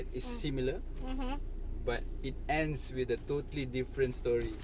คุณสามารถเห็นวิธีการทดสอบ